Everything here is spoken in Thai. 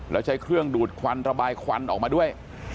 แล้วใช้เครื่องดูดควันระบายควันออกมาด้วย